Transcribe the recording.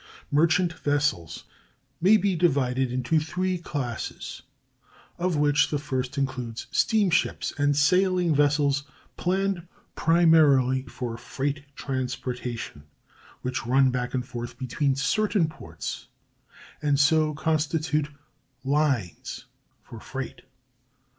] Merchant vessels may be divided into three classes, of which the first includes steamships and sailing vessels planned primarily for freight transportation, which run back and forth between certain ports, and so constitute "lines" for freight.